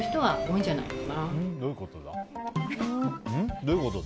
どういうことだ？